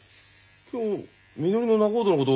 今日みのりの仲人のこと